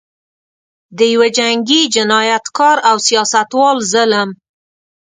د یوه جنګي جنایتکار او سیاستوال ظلم.